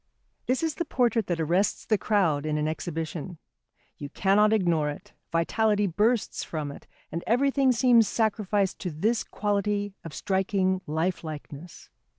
This is the portrait that arrests the crowd in an exhibition. You cannot ignore it, vitality bursts from it, and everything seems sacrificed to this quality of striking lifelikeness.